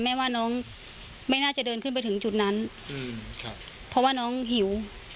แม่ว่าน้องไม่น่าจะเดินขึ้นไปถึงจุดนั้นอืมครับเพราะว่าน้องหิว